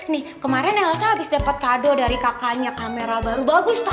nih kemarin elsa habis dapat kado dari kakaknya kamera baru bagus tuh